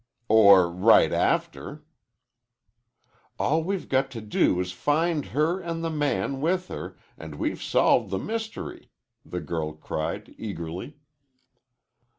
"Or right after." "All we've got to do is to find her and the man with her, and we've solved the mystery," the girl cried eagerly.